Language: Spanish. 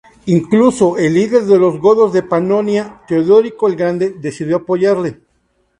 Incluso el líder de los godos de Panonia, Teodorico el Grande decidió apoyarle.